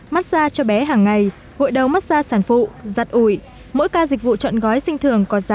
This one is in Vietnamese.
mát xa cho bé hàng ngày hội đầu mát xa sản phụ giặt ủi